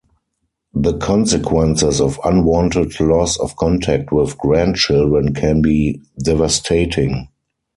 The consequences of unwanted loss of contact with grandchildren can be devastating.